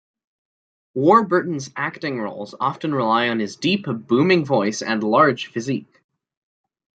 Warburton's acting roles often rely on his deep, booming voice and large physique.